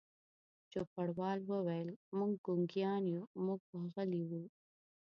چوپړوال وویل: موږ ګونګیان یو، موږ به غلي وو.